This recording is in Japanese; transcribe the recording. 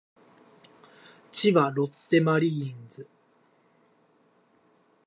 千葉ロッテマリーンズ